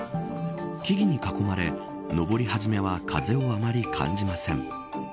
木々に囲まれ、登り始めは風もあんまり感じません。